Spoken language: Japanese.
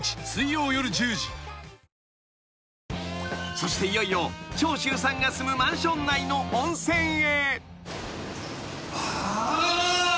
［そしていよいよ長州さんが住むマンション内の温泉へ］